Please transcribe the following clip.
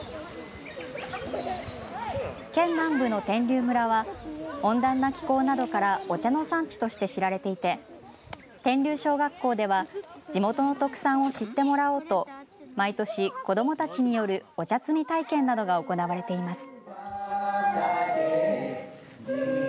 県南部の天龍村は温暖な気候などからお茶の産地として知られていて天龍小学校では地元の特産を知ってもらおうと毎年、子どもたちによるお茶摘み体験などが行われています。